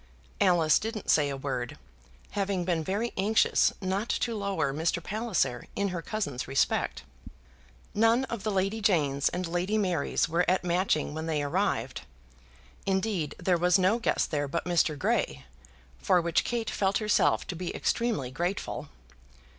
Alice didn't say a word, having been very anxious not to lower Mr. Palliser in her cousin's respect. None of the Lady Janes and Lady Marys were at Matching when they arrived. Indeed, there was no guest there but Mr. Grey, for which Kate felt herself to be extremely grateful.